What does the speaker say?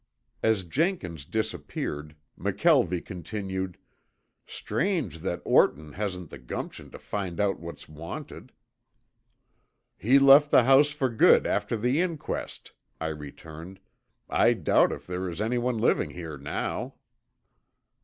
As Jenkins disappeared, McKelvie continued: "Strange that Orton hasn't the gumption to find out what's wanted." "He left the house for good after the inquest," I returned. "I doubt if there is anyone living here now."